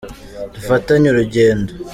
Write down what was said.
Dufatanye urugendo.